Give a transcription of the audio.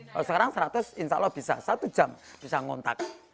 kalau sekarang seratus insya allah bisa satu jam bisa ngontak